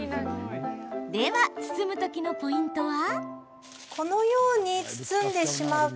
では包む時のポイントは？